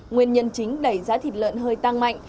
nguyên nhân chính đẩy giá thịt lợn hơi tăng mạnh